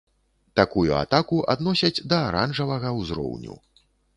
Такую атаку адносяць да аранжавага ўзроўню.